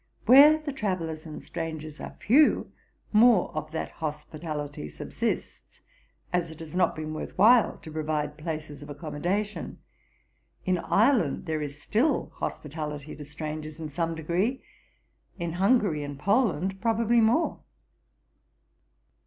Where the travellers and strangers are few, more of that hospitality subsists, as it has not been worth while to provide places of accommodation. In Ireland there is still hospitality to strangers, in some degree; in Hungary and Poland probably more.'